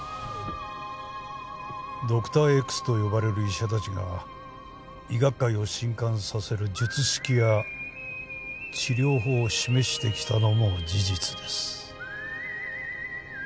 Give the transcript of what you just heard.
ドクターＸと呼ばれる医者たちが医学界を震撼させる術式や治療法を示してきたのも事実です。